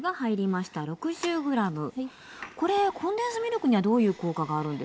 これコンデンスミルクにはどういう効果があるんですか？